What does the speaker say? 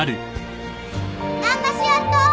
何ばしよっと？